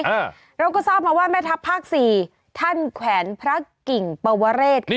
อ่าเราก็ทราบมาว่าแม่ทัพภาคสี่ท่านแขวนพระกิ่งปวเรศค่ะ